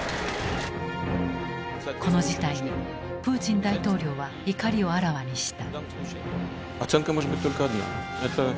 この事態にプーチン大統領は怒りをあらわにした。